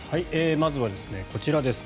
まずはこちらですね。